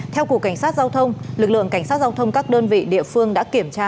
theo cục cảnh sát giao thông lực lượng cảnh sát giao thông các đơn vị địa phương đã kiểm tra